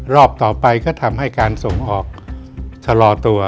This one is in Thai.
รอบต่อไปก็ทำให้การส่งออกชะลอตัว